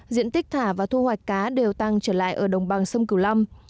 diện tích thả và thu hoạch cá đều tăng trở lại ở đồng bằng sông cửu long